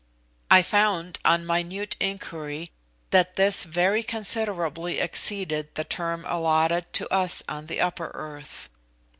I found on minute inquiry that this very considerably exceeded the term allotted to us on the upper earth.